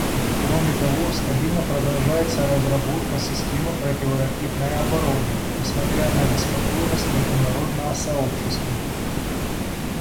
Кроме того, стабильно продолжается разработка системы противоракетной обороны, несмотря на обеспокоенность международного сообщества.